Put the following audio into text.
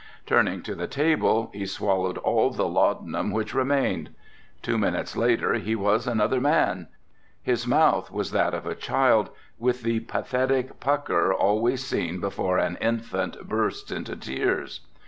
Turning to the table he swallowed all the laudanum which remained. Two minutes later he was another man. His mouth was that of a child with the pathetic pucker always seen before an infant bursts into tears.